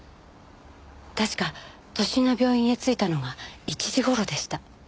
確か都心の病院へ着いたのが１時頃でした。